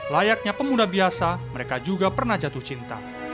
layaknya pemuda biasa mereka juga pernah jatuh cinta